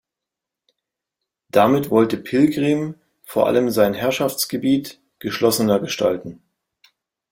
Damit wollte Pilgrim vor allem sein Herrschaftsgebiet geschlossener gestalten.